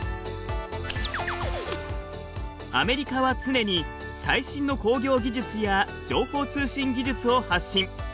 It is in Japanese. アメリカは常に最新の工業技術や情報通信技術を発信。